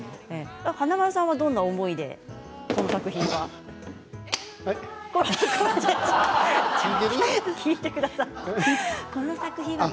華丸さんはどんな思いでこの作品を？